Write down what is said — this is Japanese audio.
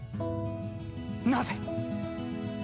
なぜ！